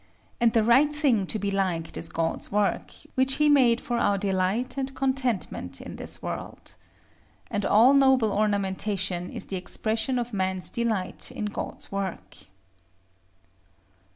And the right thing to be liked is God's work, which He made for our delight and contentment in this world. And all noble ornamentation is the expression of man's delight in God's work.